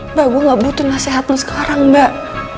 mbak gue gak butuh nasihat lo sekarang mbak